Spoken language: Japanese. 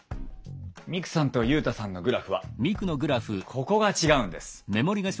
ミクさんとユウタさんのグラフはここが違うんです。